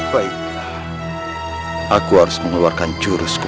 boleh juga kemampuan orang tua itu